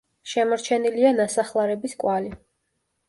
შემორჩენილია ნასახლარების კვალი.